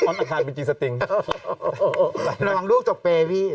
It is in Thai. ระวังลูกจกเป